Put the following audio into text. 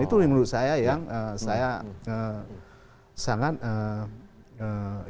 itu menurut saya yang saya sangat